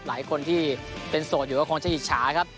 หลายคนที่เป็นโสดอยู่ก็คงจะอิจฉาครับ